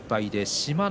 志摩ノ